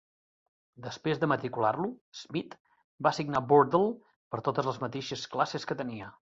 Després de matricular-lo, Smith va signar Burdell per totes les mateixes classes que tenia.